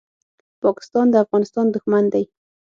پاکستان د افغانستان دښمن دی.